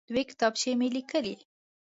دوه کتابچې مه لیکئ.